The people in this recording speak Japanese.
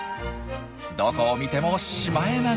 どこを見てもシマエナガ！